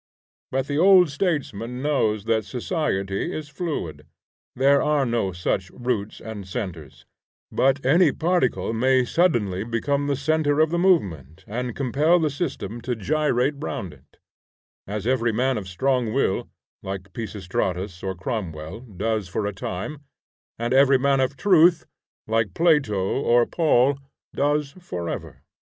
But the old statesman knows that society is fluid; there are no such roots and centres, but any particle may suddenly become the centre of the movement and compel the system to gyrate round it; as every man of strong will, like Pisistratus, or Cromwell, does for a time, and every man of truth, like Plato or Paul, does forever.